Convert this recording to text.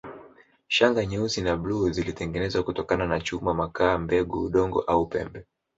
Shanga nyeusi na bluu zilitengenezwa kutokana na chuma makaa mbegu udongo au pembe